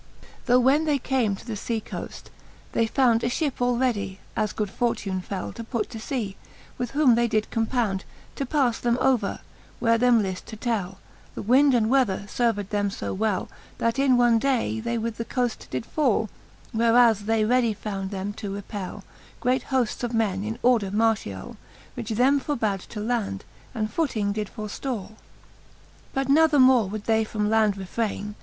Tho when they came to the fea coaft, they found A fhip all readie, as good fortune fell. To put to lea, with whom they did compound, To pafle them over, where them lift to tell. The winde and weather lerved them (o well, That in one day they with the coaft did fall ; Whereas they readie found them to repell Great hoftes of men in order martiall, Which them forbad to land^, and footing did forftalL V. But nathemore would they from land refraine.